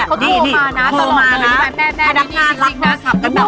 เขาตัวมานะตลอดมานะพนักงานรักผ่าขับกันแบบเขาก็พอไม่นะ